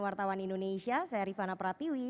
wartawan indonesia saya rifana pratiwi